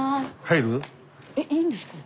入っていいんですか？